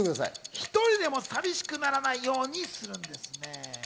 １人でも寂しくならないようにするんです。